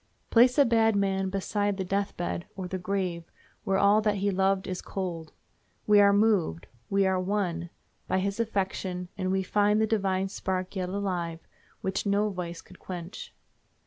Place a bad man beside the death bed, or the grave, where all that he loved is cold—we are moved, we are won, by his affection, and we find the divine spark yet alive, which no vice could quench.